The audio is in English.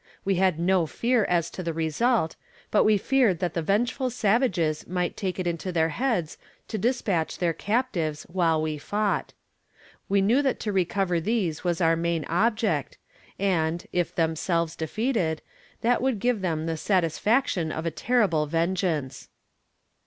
We had no fear as to the result; but we feared that the vengeful savages might take it into their heads to despatch their captives while we fought. They knew that to recover these was our main object, and, if themselves defeated, that would give them the satisfaction of a terrible vengeance.